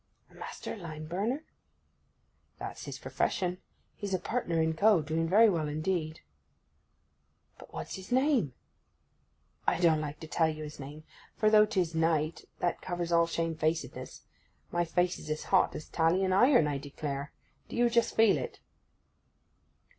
'A master lime burner?' 'That's his profession. He's a partner in co., doing very well indeed.' 'But what's his name?' 'I don't like to tell you his name, for, though 'tis night, that covers all shame facedness, my face is as hot as a 'Talian iron, I declare! Do you just feel it.